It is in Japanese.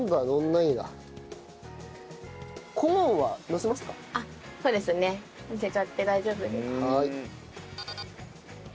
のせちゃって大丈夫です。